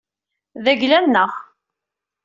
D agla-nneɣ.